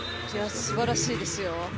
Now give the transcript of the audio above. すばらしいですよ。